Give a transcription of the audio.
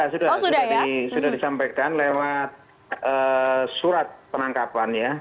ya sudah disampaikan lewat surat penangkapan ya